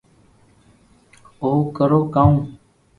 ئر ڪرو ڪا و